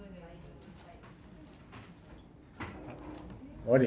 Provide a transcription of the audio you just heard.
終わり。